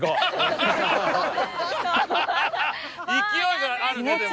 勢いがあるねでも。